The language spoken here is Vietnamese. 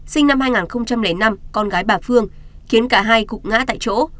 sinh năm hai nghìn năm con gái bà phương khiến cả hai cũng ngã tại chỗ